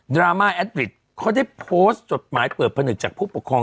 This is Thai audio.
ราม่าแอดริดเขาได้โพสต์จดหมายเปิดผนึกจากผู้ปกครอง